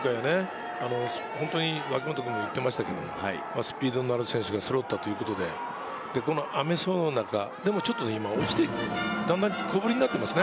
今回は、ホントに脇本君も言っていましたけどスピードのある選手がそろったということで、この雨の中、ちょっと今、だんだん小降りになっていますね。